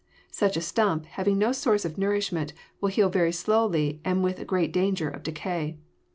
Such a stump, having no source of nourishment, will heal very slowly and with great danger of decay.